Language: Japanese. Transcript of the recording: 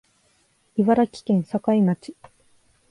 茨城県境町